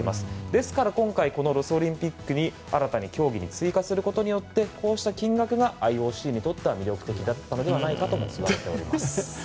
ですから、今回このロスオリンピックに新たに競技に追加することによってこうした金額がＩＯＣにとっては魅力的だったのではと伝えられています。